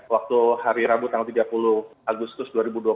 waktu hari rabu tanggal tiga puluh agustus dua ribu dua puluh